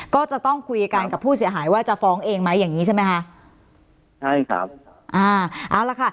ก็จะต้องคุยกันกับผู้เสียหายว่าจะฟ้องเองไหมอย่างงี้ใช่ไหมคะใช่ครับอ่าเอาละค่ะ